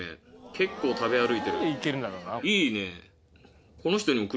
結構食べ歩いてるいいね。